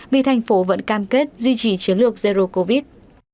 vì thành phố vẫn cam kết duy trì chiến lược zero covid